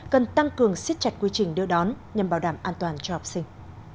cần tăng cường siết chặt quy trình đưa đón nhằm bảo đảm an toàn cho học sinh